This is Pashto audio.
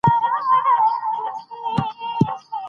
د نورو په خبرو پسې مه ګرځئ .